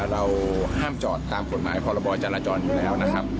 เราห้ามจอดตามกฎหมายพรบจราจรอยู่แล้วนะครับ